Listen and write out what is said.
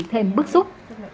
thêm bức xúc